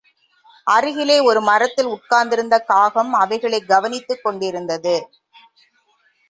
அருகிலே ஒரு மரத்தில் உட்கார்ந்திருந்த காகம், அவைகளைக் கவனித்துக்கொண்டிருந்தது.